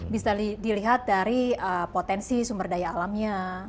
bisa dilihat dari potensi sumber daya alamnya